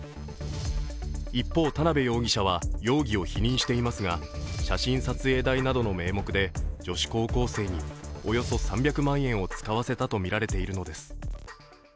一方、田辺容疑者は容疑を否認していますが、写真撮影代などの名目で女子高校生におよそ３００万円を使わせたとみられているのです。